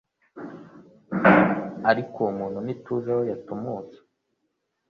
ariko uwo muntu ntituzi aho yatumtse.»